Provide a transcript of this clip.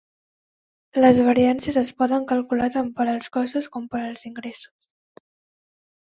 Les variàncies es poden calcular tant per als costos com per als ingressos.